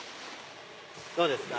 どうですか？